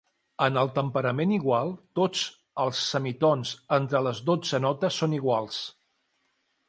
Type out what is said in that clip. En el temperament igual, tots els semitons entre les dotze notes són iguals.